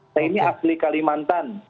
nah ini asli kalimantan